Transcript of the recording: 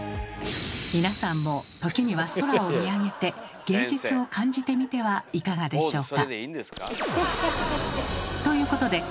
皆さんも時には空を見上げて芸術を感じてみてはいかがでしょうか。